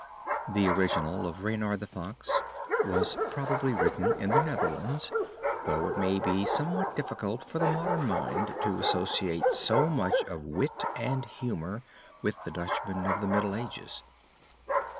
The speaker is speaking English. The original of Reynard the Fox was probably written in the Netherlands, though it may be somewhat difficult for the modern mind to associate so much of wit and humor with the Dutchmen of the Middle Ages.